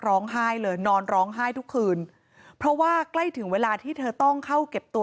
ร้องไห้เลยนอนร้องไห้ทุกคืนเพราะว่าใกล้ถึงเวลาที่เธอต้องเข้าเก็บตัว